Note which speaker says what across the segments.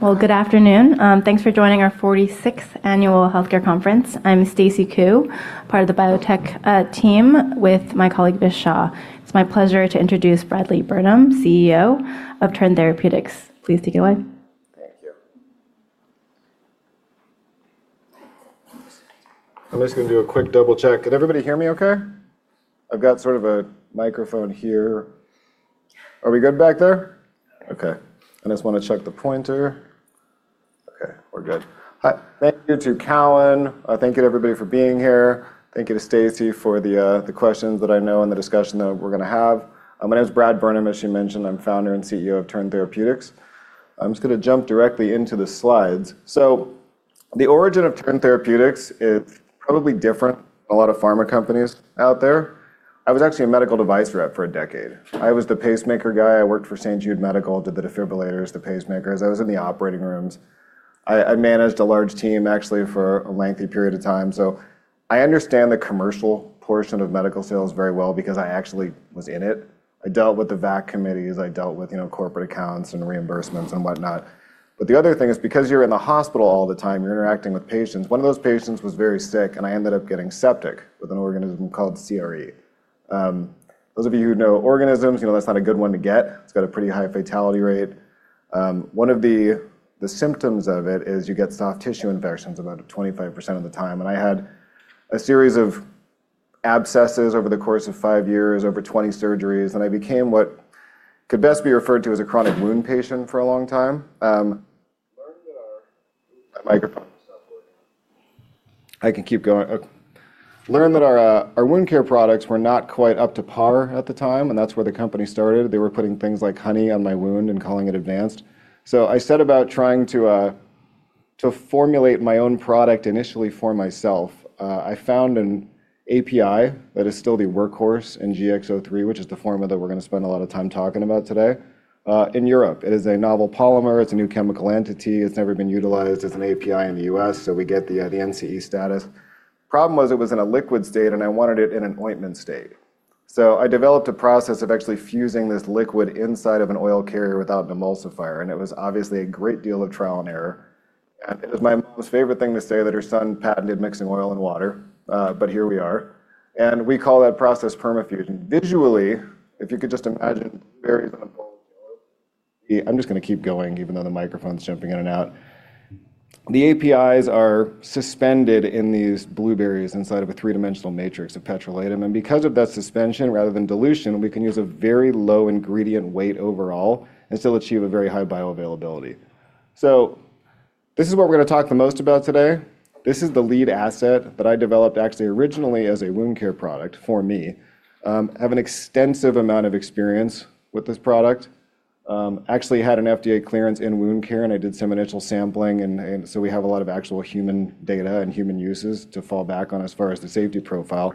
Speaker 1: Good afternoon. Thanks for joining our 46th annual healthcare conference. I'mJ. Stacy Ku, part of the biotech team with my colleague, Ms. Shaw. It's my pleasure to introduce Bradley Burnam, CEO of Turn Therapeutics. Please take it away.
Speaker 2: Thank you. I'm just gonna do a quick double-check. Can everybody hear me okay? I've got sort of a microphone here. Are we good back there? Okay. I just wanna check the pointer. Okay, we're good. Hi. Thank you to TD Cowen. Thank you everybody for being here. Thank you to Stacy Ku for the questions that I know and the discussion that we're gonna have. My name is Bradley Burnam, as she mentioned. I'm founder and CEO of Turn Therapeutics. I'm just gonna jump directly into the slides. The origin of Turn Therapeutics is probably different, a lot of pharma companies out there. I was actually a medical device rep for 10 years. I was the pacemaker guy. I worked for St. Jude Medical, did the defibrillators, the pacemakers. I was in the operating rooms. I managed a large team actually for a lengthy period of time. I understand the commercial portion of medical sales very well because I actually was in it. I dealt with the VAC committees, I dealt with, you know, corporate accounts and reimbursements and whatnot. The other thing is, because you're in the hospital all the time, you're interacting with patients. One of those patients was very sick, and I ended up getting septic with an organism called CRE. Those of you who know organisms, you know that's not a good one to get. It's got a pretty high fatality rate. One of the symptoms of it is you get soft tissue infections about 25% of the time. I had a series of abscesses over the course of 5 years, over 20 surgeries. I became what could best be referred to as a chronic wound patient for a long time. Learned that our wound care products were not quite up to par at the time, that's where the company started. They were putting things like honey on my wound and calling it advanced. I set about trying to formulate my own product initially for myself. I found an API that is still the workhorse in TT-03, which is the formula that we're gonna spend a lot of time talking about today in Europe. It is a novel polymer. It's a new chemical entity. It's never been utilized as an API in the U.S., we get the NCE status. Problem was it was in a liquid state, I wanted it in an ointment state. I developed a process of actually fusing this liquid inside of an oil carrier without an emulsifier, it was obviously a great deal of trial and error. It was my mom's favorite thing to say that her son patented mixing oil and water, here we are, we call that process PermaFusion. Visually, if you could just imagine berries in a bowl. I'm just gonna keep going even though the microphone's jumping in and out. The APIs are suspended in these blueberries inside of a three-dimensional matrix of petrolatum, and because of that suspension rather than dilution, we can use a very low ingredient weight overall and still achieve a very high bioavailability. This is what we're gonna talk the most about today. This is the lead asset that I developed actually originally as a wound care product for me. I have an extensive amount of experience with this product. Actually had an FDA clearance in wound care, and I did some initial sampling and so we have a lot of actual human data and human uses to fall back on as far as the safety profile.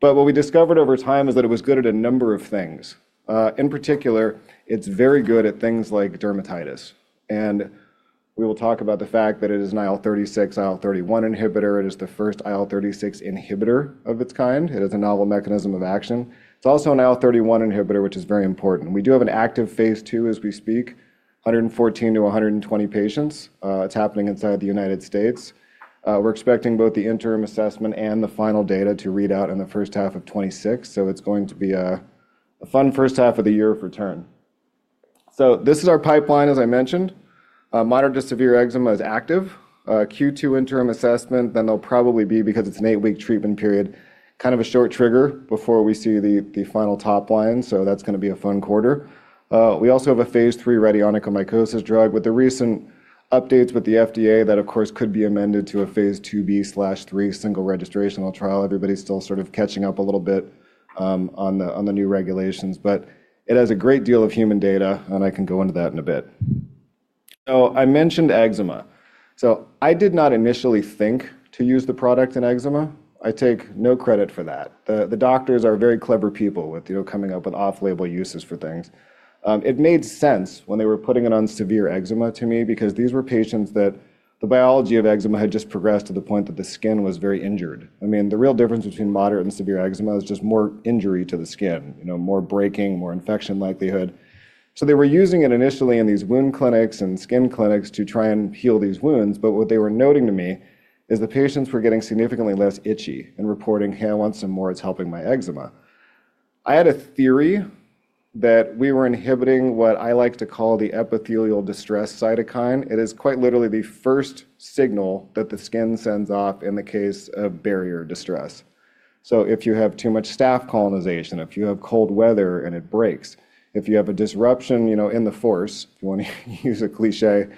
Speaker 2: What we discovered over time is that it was good at a number of things. In particular, it's very good at things like dermatitis, we will talk about the fact that it is an IL-36, IL-31 inhibitor. It is the first IL-36 inhibitor of its kind. It is a novel mechanism of action. It's also an IL-31 inhibitor, which is very important. We do have an active phase 2 as we speak, 114 to 120 patients. It's happening inside the United States. We're expecting both the interim assessment and the final data to read out in the first half of 2026. It's going to be a fun first half of the year for Turn Therapeutics. This is our pipeline as I mentioned. Moderate to severe eczema is active. Q2 interim assessment, then they'll probably be, because it's an eight-week treatment period, kind of a short trigger before we see the final top line. That's gonna be a fun quarter. We also have a phase III ready onychomycosis drug. With the recent updates with the FDA, that of course could be amended to a phase 2b/3 single registrational trial. Everybody's still sort of catching up a little bit on the new regulations. It has a great deal of human data, and I can go into that in a bit. I mentioned eczema. I did not initially think to use the product in eczema. I take no credit for that. The doctors are very clever people with, you know, coming up with off-label uses for things. It made sense when they were putting it on severe eczema to me because these were patients that the biology of eczema had just progressed to the point that the skin was very injured. I mean, the real difference between moderate and severe eczema is just more injury to the skin. You know, more breaking, more infection likelihood. They were using it initially in these wound clinics and skin clinics to try and heal these wounds. What they were noting to me is the patients were getting significantly less itchy and reporting, "Hey, I want some more. It's helping my eczema." I had a theory that we were inhibiting what I like to call the epithelial distress cytokine. It is quite literally the first signal that the skin sends off in the case of barrier distress. If you have too much staph colonization, if you have cold weather and it breaks, if you have a disruption, you know, in the force, if you want to use a cliché,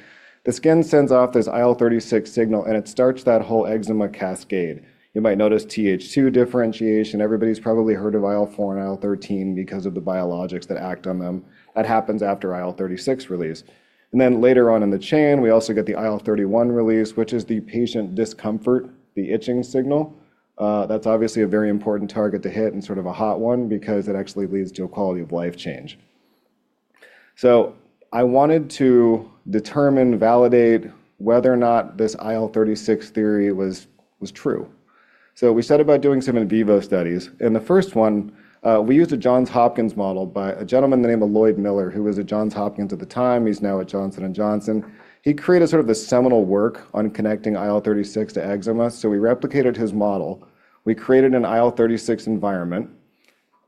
Speaker 2: the skin sends off this IL-36 signal, and it starts that whole eczema cascade. You might notice Th2 differentiation. Everybody's probably heard of IL-4 and IL-13 because of the biologics that act on them. That happens after IL-36 release. Later on in the chain, we also get the IL-31 release, which is the patient discomfort, the itching signal. That's obviously a very important target to hit and sort of a hot one because it actually leads to a quality of life change. I wanted to determine, validate whether or not this IL-36 theory was true. We set about doing some in vivo studies. In the first one, we used a Johns Hopkins model by a gentleman by the name of Lloyd Miller, who was at Johns Hopkins at the time. He's now at Johnson & Johnson. He created sort of the seminal work on connecting IL-36 to eczema. We replicated his model. We created an IL-36 environment,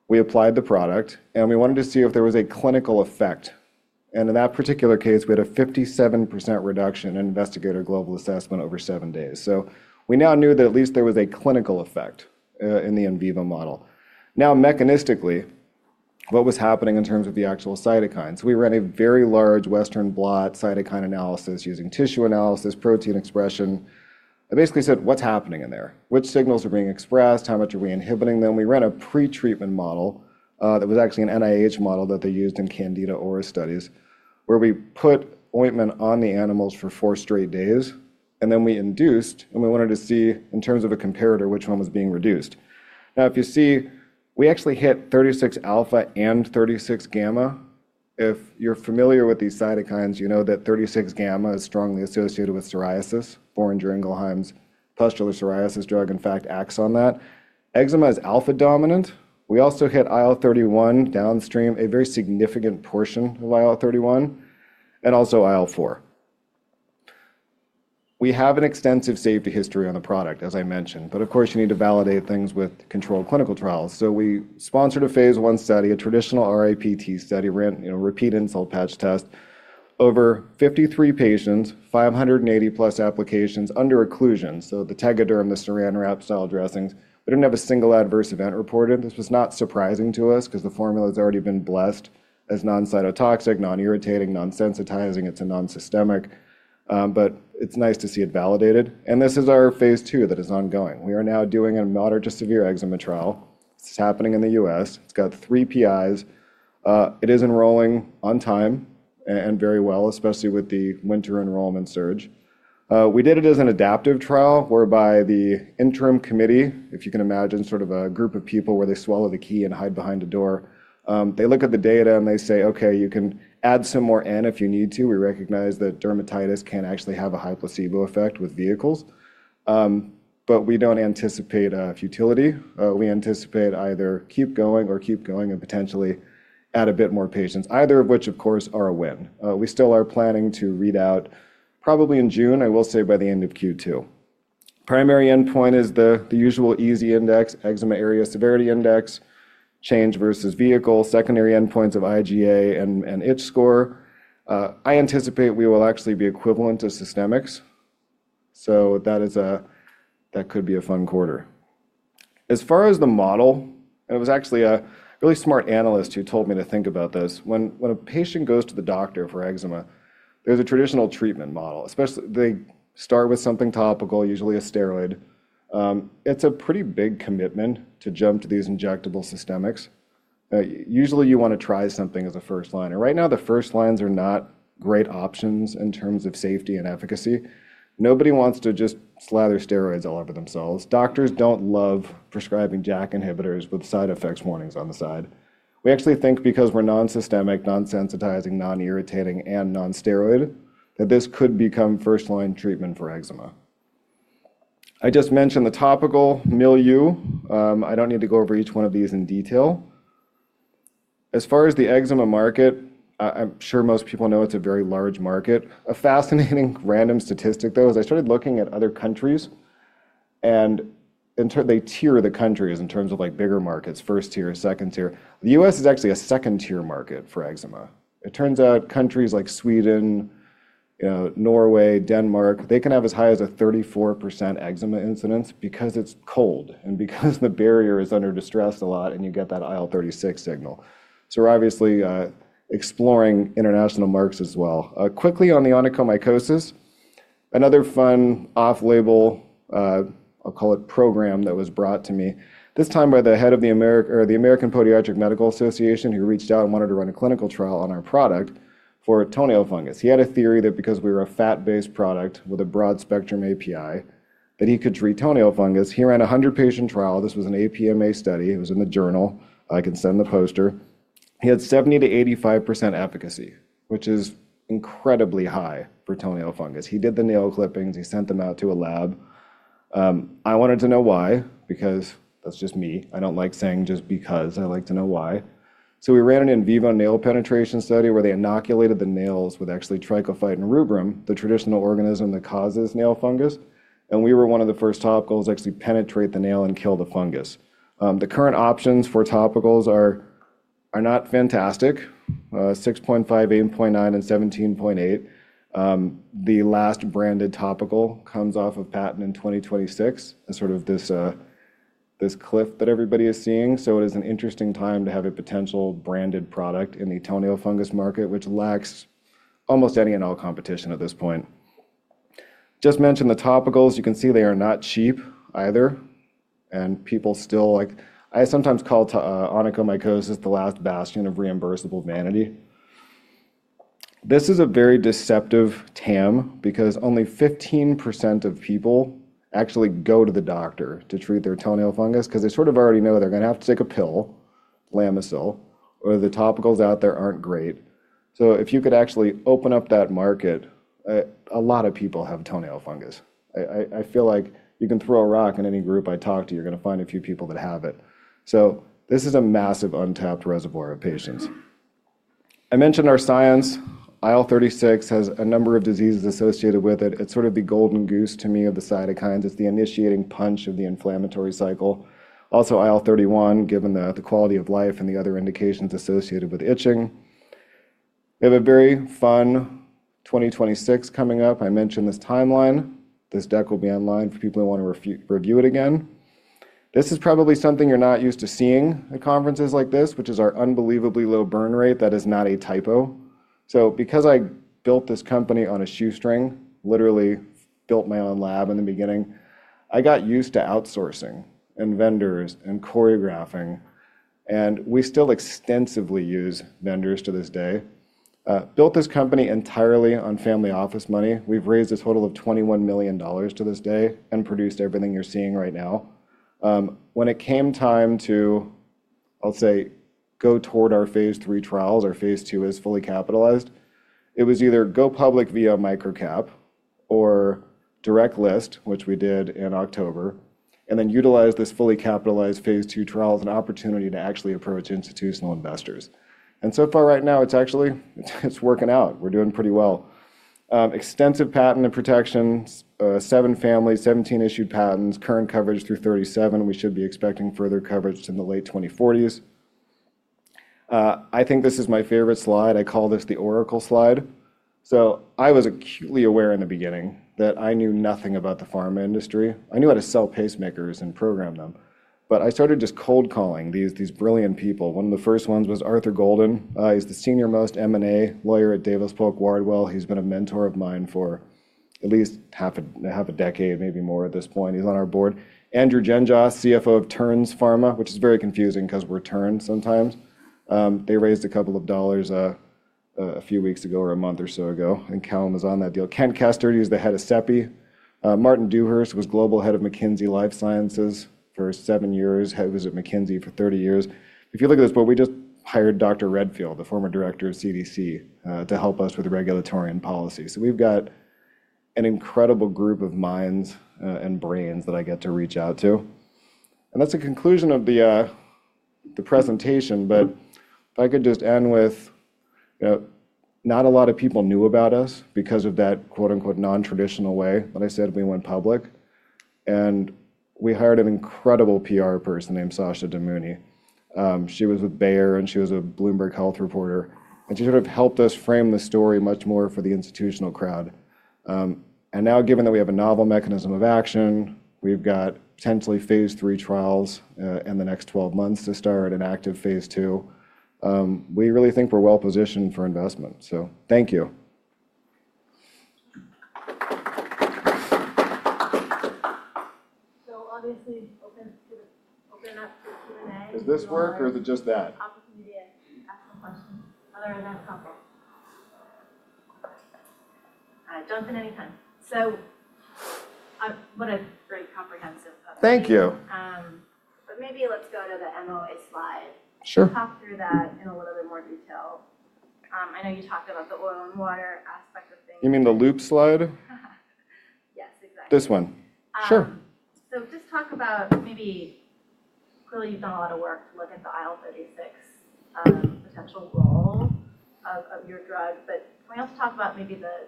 Speaker 2: we applied the product, and we wanted to see if there was a clinical effect. In that particular case, we had a 57% reduction in Investigator Global Assessment over 7 days. We now knew that at least there was a clinical effect in the in vivo model. Now, mechanistically, what was happening in terms of the actual cytokines? We ran a very large Western blot cytokine analysis using tissue analysis, protein expression, and basically said, "What's happening in there? Which signals are being expressed? How much are we inhibiting them?" We ran a pre-treatment model that was actually an NIH model that they used in Candida auris studies, where we put ointment on the animals for four straight days, and then we induced, and we wanted to see, in terms of a comparator, which one was being reduced. Now if you see, we actually hit IL-36-alpha and IL-36-gamma. If you're familiar with these cytokines, you know that IL-36-gamma is strongly associated with psoriasis. Generalized Pustular Psoriasis drug, in fact, acts on that. eczema is alpha dominant. We also hit IL-31 downstream, a very significant portion of IL-31, and also IL-4. We have an extensive safety history on the product, as I mentioned, but of course you need to validate things with controlled clinical trials. We sponsored a phase I study, a traditional RIPT study, ran, you know, repeat insult patch test. Over 53 patients, 580+ applications under occlusion. The Tegaderm, the Saran Wrap style dressings. We didn't have a single adverse event reported. This was not surprising to us 'cause the formula's already been blessed as non-cytotoxic, non-irritating, non-sensitizing. It's a non-systemic, but it's nice to see it validated. This is our phase II that is ongoing. We are now doing a moderate to severe eczema trial. This is happening in the U.S. It's got three PIs. It is enrolling on time and very well, especially with the winter enrollment surge. We did it as an adaptive trial, whereby the interim committee, if you can imagine sort of a group of people where they swallow the key and hide behind a door, they look at the data and they say, "Okay, you can add some more in if you need to. We recognize that dermatitis can actually have a high placebo effect with vehicles." We don't anticipate a futility. We anticipate either keep going or keep going and potentially add a bit more patients, either of which, of course, are a win. We still are planning to read out probably in June. I will say by the end of Q2. Primary endpoint is the usual EASI index, Eczema Area and Severity Index, change versus vehicle. Secondary endpoints of IGA and itch score. I anticipate we will actually be equivalent to systemics, so that could be a fun quarter. As far as the model, it was actually a really smart analyst who told me to think about this. When a patient goes to the doctor for eczema, there's a traditional treatment model, especially. They start with something topical, usually a steroid. It's a pretty big commitment to jump to these injectable systemics. Usually you wanna try something as a first line, and right now the first lines are not great options in terms of safety and efficacy. Nobody wants to just slather steroids all over themselves. Doctors don't love prescribing JAK inhibitors with side effects warnings on the side. We actually think because we're non-systemic, non-sensitizing, non-irritating, and non-steroid, that this could become first-line treatment for eczema. I just mentioned the topical milieu. I don't need to go over each one of these in detail. As far as the eczema market, I'm sure most people know it's a very large market. A fascinating random statistic though is I started looking at other countries and they tier the countries in terms of like bigger markets, 1st tier, 2nd tier. The U.S. is actually a second-tier market for eczema. It turns out countries like Sweden, you know, Norway, Denmark, they can have as high as a 34% eczema incidence because it's cold and because the barrier is under distress a lot, and you get that IL-36 signal. We're obviously exploring international markets as well. Quickly on the onychomycosis, another fun off-label, I'll call it program that was brought to me, this time by the head of the American Podiatric Medical Association, who reached out and wanted to run a clinical trial on our product for toenail fungus. He had a theory that because we're a fat-based product with a broad-spectrum API, that he could treat toenail fungus. He ran a 100-patient trial. This was an APMA study. It was in the journal. I can send the poster. He had 70%-85% efficacy, which is incredibly high for toenail fungus. He did the nail clippings. He sent them out to a lab. I wanted to know why, because that's just me. I don't like saying just because. I like to know why. We ran an in vivo nail penetration study where they inoculated the nails with actually Trichophyton rubrum, the traditional organism that causes nail fungus, and we were one of the first topicals to actually penetrate the nail and kill the fungus. The current options for topicals are not fantastic. 6.5, 8.9, and 17.8. The last branded topical comes off of patent in 2026, and sort of this cliff that everybody is seeing. It is an interesting time to have a potential branded product in the toenail fungus market, which lacks almost any and all competition at this point. Just mention the topicals. You can see they are not cheap either, and people still like... I sometimes call onychomycosis the last bastion of reimbursable vanity. This is a very deceptive TAM because only 15% of people actually go to the doctor to treat their toenail fungus 'cause they sort of already know they're gonna have to take a pill, Lamisil, or the topicals out there aren't great. If you could actually open up that market, a lot of people have toenail fungus. I feel like you can throw a rock in any group I talk to, you're gonna find a few people that have it. This is a massive untapped reservoir of patients. I mentioned our science. IL-36 has a number of diseases associated with it. It's sort of the golden goose to me of the cytokines. It's the initiating punch of the inflammatory cycle. IL-31, given the quality of life and the other indications associated with itching. We have a very fun 2026 coming up. I mentioned this timeline. This deck will be online for people who wanna review it again. This is probably something you're not used to seeing at conferences like this, which is our unbelievably low burn rate. That is not a typo. Because I built this company on a shoestring, literally built my own lab in the beginning, I got used to outsourcing and vendors and choreographing, and we still extensively use vendors to this day. Built this company entirely on family office money. We've raised a total of $21 million to this day and produced everything you're seeing right now. When it came time to, I'll say, go toward our phase III trials, our phase II is fully capitalized, it was either go public via microcap or direct list, which we did in October, and then utilize this fully capitalized phase II trial as an opportunity to actually approach institutional investors. So far right now, it's actually, it's working out. We're doing pretty well. Extensive patent and protections, 7 families, 17 issued patents, current coverage through 37. We should be expecting further coverage in the late 2040s. I think this is my favorite slide. I call this the Oracle slide. I was acutely aware in the beginning that I knew nothing about the pharma industry. I knew how to sell pacemakers and program them, but I started just cold calling these brilliant people. One of the first ones was Arthur Golden. He's the senior-most M&A lawyer at Davis Polk & Wardwell. He's been a mentor of mine for at least half a decade, maybe more at this point. He's on our board. Andrew Gengos, CFO of Terns Pharmaceuticals, which is very confusing 'cause we're Tern sometimes. They raised a couple of dollars a few weeks ago or a month or so ago, and Callum was on that deal. Kent Kester is the head of CEPI. Martin Dewhurst was global head of McKinsey Life Sciences for seven years. He was at McKinsey for 30 years. If you look at this board, we just hired Dr. Redfield, the former director of CDC, to help us with regulatory and policy. We've got an incredible group of minds and brains that I get to reach out to. That's the conclusion of the presentation. If I could just end with, you know, not a lot of people knew about us because of that, quote-unquote, non-traditional way that I said we went public, and we hired an incredible PR person named Sasha Damouni. She was with Bayer, and she was a Bloomberg health reporter, and she sort of helped us frame the story much more for the institutional crowd. Now given that we have a novel mechanism of action, we've got potentially phase III trials in the next 12 months to start an active phase II, we really think we're well-positioned for investment. Thank you.
Speaker 3: obviously open up to Q&A.
Speaker 2: Does this work or is it just that?
Speaker 3: Opportunity to ask some questions. Otherwise, I have a couple. All right, jump in anytime.
Speaker 1: What a great comprehensive presentation.
Speaker 2: Thank you.
Speaker 1: Maybe let's go to the MOA slide.
Speaker 2: Sure.
Speaker 1: Talk through that in a little bit more detail. I know you talked about the oil and water aspect of things.
Speaker 2: You mean the loop slide?
Speaker 1: Yes, exactly.
Speaker 2: This one. Sure.
Speaker 1: Just talk about maybe clearly you've done a lot of work to look at the IL-36, potential role of your drug. Can we also talk about maybe the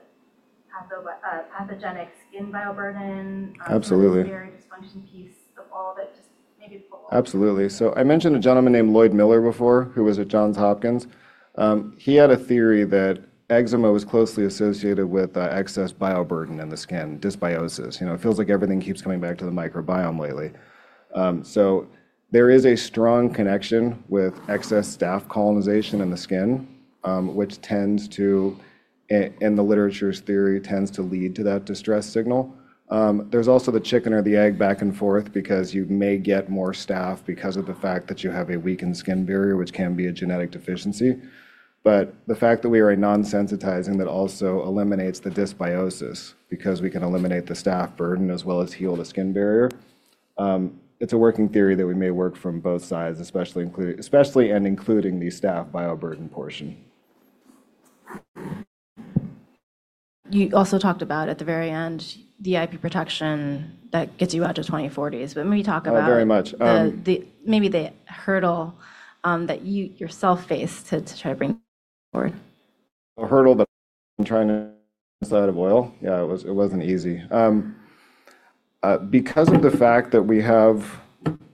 Speaker 1: pathogenic skin bioburden?
Speaker 2: Absolutely
Speaker 1: ...barrier dysfunction piece of all that, just maybe.
Speaker 2: Absolutely. I mentioned a gentleman named Lloyd Miller before, who was at Johns Hopkins. He had a theory that eczema was closely associated with excess bioburden in the skin, dysbiosis. You know, it feels like everything keeps coming back to the microbiome lately. There is a strong connection with excess staph colonization in the skin, which tends to in the literature's theory, tends to lead to that distress signal. There's also the chicken or the egg back and forth because you may get more staph because of the fact that you have a weakened skin barrier, which can be a genetic deficiency. The fact that we are a non-sensitizing that also eliminates the dysbiosis because we can eliminate the staph burden as well as heal the skin barrier, it's a working theory that we may work from both sides, especially and including the staph bioburden portion.
Speaker 1: You also talked about at the very end the IP protection that gets you out to 2040s.
Speaker 2: Oh, very much.
Speaker 1: ...the, maybe the hurdle, that you yourself faced to try to bring forward.
Speaker 2: The hurdle that I'm trying to inside of oil? Yeah, it was, it wasn't easy. Because of the fact that we have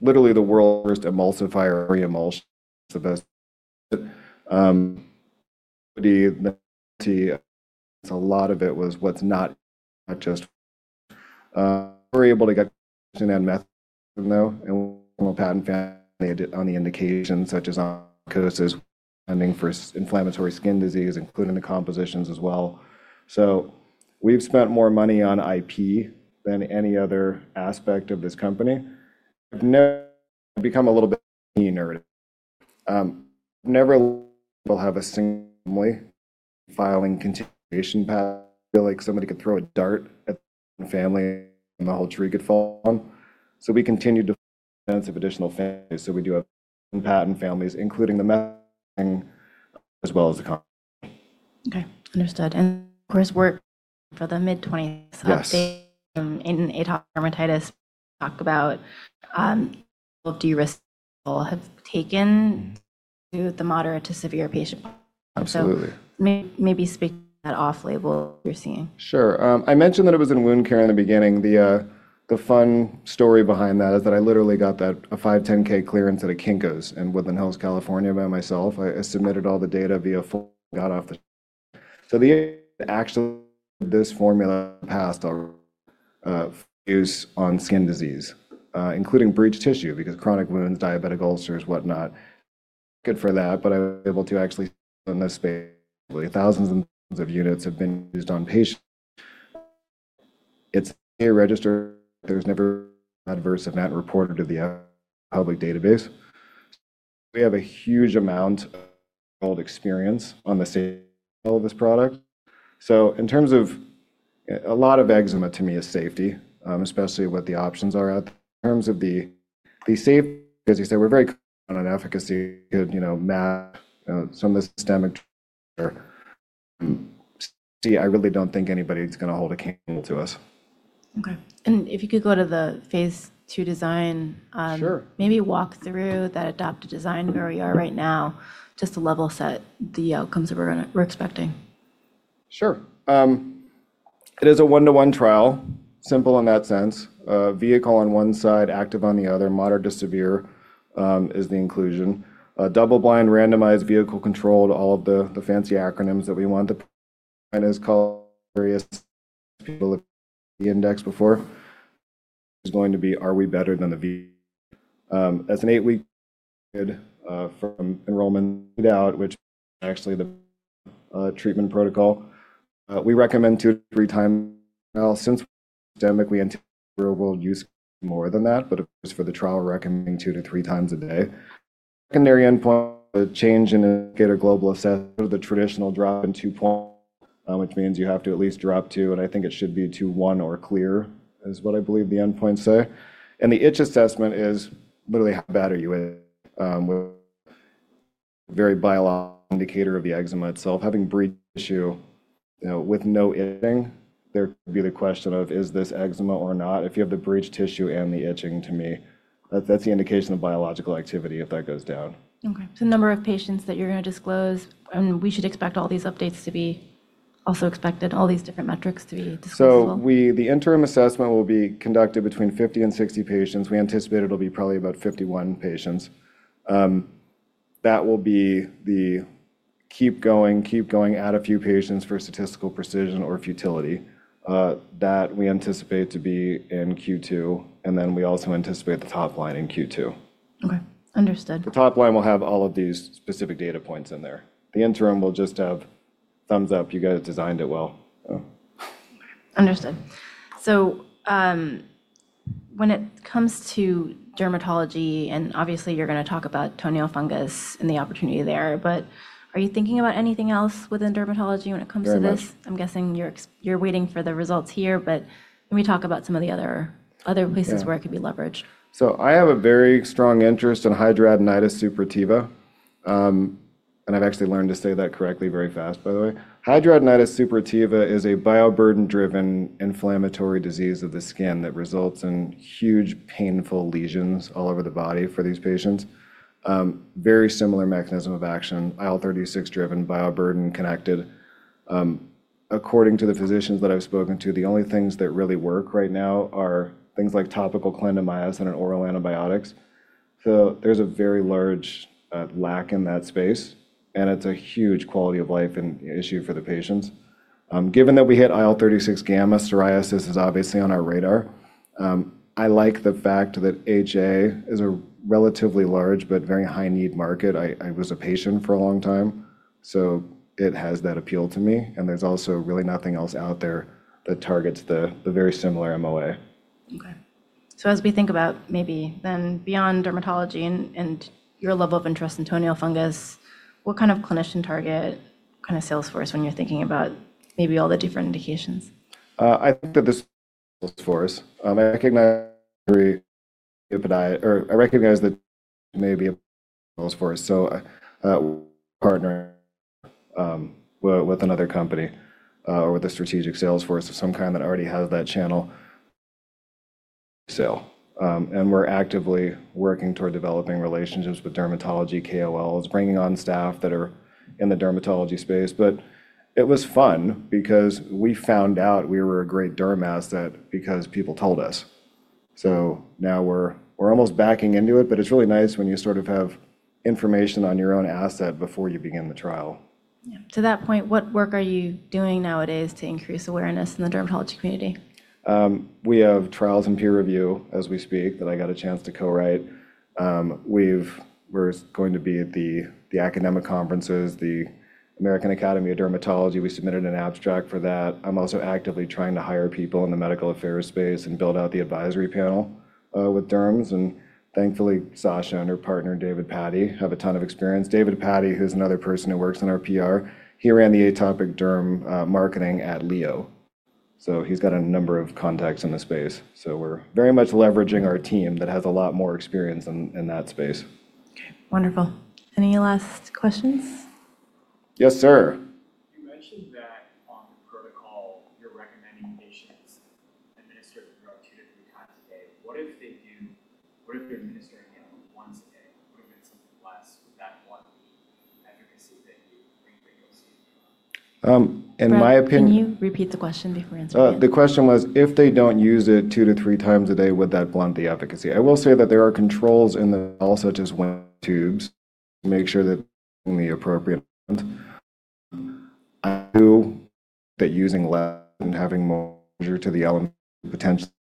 Speaker 2: literally the world's worst emulsifier re-emulsion, it's the best. A lot of it was what's not just, we're able to get method, though, and patent family on the indications such as onychomycosis pending for inflammatory skin disease, including the compositions as well. We've spent more money on IP than any other aspect of this company. I've become a little bit of a nerd. Never will have a single family filing continuation feel like somebody could throw a dart at the family, and the whole tree could fall. We continue to sense of additional families. We do have patent families, including the as well as the.
Speaker 1: Okay, understood. Of course, work for the mid-twenties-
Speaker 2: Yes.
Speaker 1: -in atopic dermatitis talk about, de-risk have taken to the moderate to severe patient.
Speaker 2: Absolutely.
Speaker 3: Maybe speak that off-label you're seeing.
Speaker 2: Sure. I mentioned that it was in wound care in the beginning. The fun story behind that is that I literally got that, a 510(k) clearance at a Kinko's in Woodland Hills, California by myself. I submitted all the data via phone. This formula passed our use on skin disease, including breached tissue because chronic wounds, diabetic ulcers, whatnot, good for that, but I was able to actually in this space. Thousands of units have been used on patients. It's a register. There's never adverse event reported to the public database. We have a huge amount of experience on the sale of this product. In terms of a lot of eczema to me is safety, especially what the options are out there. In terms of the safety, as you said, we're very on an efficacy, you know, math, some of the systemic. I really don't think anybody's gonna hold a candle to us.
Speaker 3: Okay. if you could go to the phase II design.
Speaker 2: Sure.
Speaker 3: -maybe walk through that adopted design where we are right now, just to level set the outcomes that we're expecting.
Speaker 2: Sure. It is a one-to-one trial, simple in that sense. Vehicle on one side, active on the other, moderate to severe is the inclusion. A double blind randomized vehicle controlled all of the fancy acronyms that we want to is called various people the index before is going to be, are we better than the V? As an eight-week from enrollment out, which actually the treatment protocol, we recommend two to three times since we will use more than that, but for the trial, recommending two to three times a day. Secondary endpoint, the change in get a global assessment of the traditional drop in two point, which means you have to at least drop two, and I think it should be two, one or clear is what I believe the endpoint say. The itch assessment is literally how bad are you with, very bio indicator of the eczema itself. Having breach issue, you know, with no itching, there could be the question of is this eczema or not? If you have the breached tissue and the itching to me, that's the indication of biological activity if that goes down.
Speaker 3: Okay. Number of patients that you're gonna disclose, and we should expect all these updates to be also expected, all these different metrics to be disclosed as well.
Speaker 2: The interim assessment will be conducted between 50 and 60 patients. We anticipate it'll be probably about 51 patients. That will be the add a few patients for statistical precision or futility, that we anticipate to be in Q2, and then we also anticipate the top line in Q2.
Speaker 3: Okay. Understood.
Speaker 2: The top line will have all of these specific data points in there. The interim will just have thumbs up, you guys designed it well.
Speaker 3: Understood. When it comes to dermatology, and obviously you're gonna talk about toenail fungus and the opportunity there, but are you thinking about anything else within dermatology when it comes to this?
Speaker 2: Very much.
Speaker 3: I'm guessing you're waiting for the results here, but can we talk about some of the other places?
Speaker 2: Yeah.
Speaker 3: where it could be leveraged?
Speaker 2: I have a very strong interest in hidradenitis suppurativa, and I've actually learned to say that correctly very fast, by the way. Hidradenitis suppurativa is a bioburden-driven inflammatory disease of the skin that results in huge painful lesions all over the body for these patients. Very similar mechanism of action, IL-36 driven bioburden connected. According to the physicians that I've spoken to, the only things that really work right now are things like topical clindamycin and oral antibiotics. There's a very large lack in that space, and it's a huge quality of life and issue for the patients. Given that we hit IL-36 gamma, psoriasis is obviously on our radar. I like the fact that HA is a relatively large but very high need market. I was a patient for a long time, so it has that appeal to me, and there's also really nothing else out there that targets the very similar MOA.
Speaker 3: As we think about maybe then beyond dermatology and your level of interest in toenail fungus, what kind of clinician target kind of sales force when you're thinking about maybe all the different indications?
Speaker 2: I think that this force, I recognize that maybe force. Partner with another company or with a strategic sales force of some kind that already has that channel sale. We're actively working toward developing relationships with dermatology KOLs, bringing on staff that are in the dermatology space. It was fun because we found out we were a great derm asset because people told us. Now we're almost backing into it, but it's really nice when you sort of have information on your own asset before you begin the trial.
Speaker 3: Yeah. To that point, what work are you doing nowadays to increase awareness in the dermatology community?
Speaker 2: We have trials and peer review as we speak that I got a chance to co-write. We're going to be at the academic conferences, the American Academy of Dermatology. We submitted an abstract for that. I'm also actively trying to hire people in the medical affairs space and build out the advisory panel, with derms, and thankfully Sasha Damouni and her partner, David Patti, have a ton of experience. David Patti, who's another person who works in our PR, he ran the atopic derm, marketing at Leo. He's got a number of contacts in the space. We're very much leveraging our team that has a lot more experience in that space.
Speaker 3: Okay, wonderful. Any last questions?
Speaker 2: Yes, sir.
Speaker 4: You mentioned that on the protocol you're recommending patients administer the drug two to three times a day. What if they're administering it only once a day? What if it's less? Would that blunt the efficacy that you think that you'll see?
Speaker 2: In my opinion.
Speaker 3: Can you repeat the question before you answer?
Speaker 2: The question was, "If they don't use it two to three times a day, would that blunt the efficacy?" I will say that there are controls in the trial, such as tubes, to make sure that the appropriate . I do that using less and having more to the element, potentially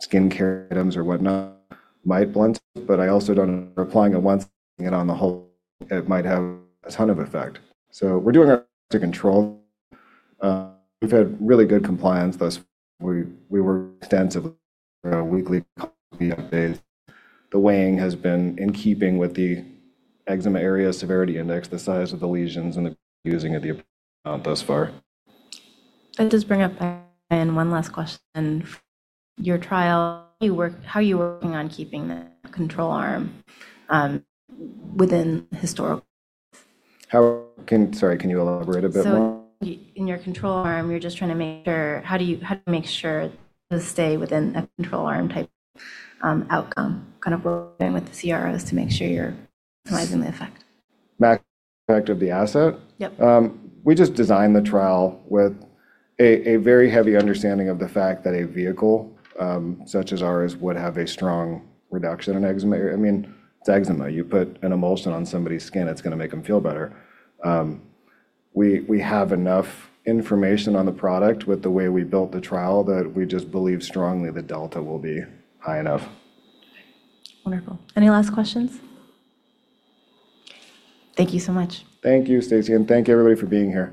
Speaker 2: skincare items or whatnot might blunt, but I also don't know applying it once and on the whole it might have a ton of effect. We're doing our best to control. We've had really good compliance thus far. We work extensively on a weekly basis. The weighing has been in keeping with the Eczema Area and Severity Index, the size of the lesions, and the using of the amount thus far.
Speaker 3: That does bring up 1 last question. Your trial, how are you working on keeping the control arm within historical?
Speaker 2: Sorry, can you elaborate a bit more?
Speaker 3: In your control arm, you're just trying to make sure. How do you make sure to stay within a control arm type outcome? Kind of working with the CROs to make sure you're maximizing the effect.
Speaker 2: Maximizing the effect of the asset?
Speaker 3: Yep.
Speaker 2: We just designed the trial with a very heavy understanding of the fact that a vehicle such as ours would have a strong reduction in eczema. I mean, it's eczema. You put an emulsion on somebody's skin, it's gonna make them feel better. We have enough information on the product with the way we built the trial that we just believe strongly the delta will be high enough.
Speaker 1: Wonderful. Any last questions? Thank you so much.
Speaker 2: Thank you, Stacy, and thank you everybody for being here.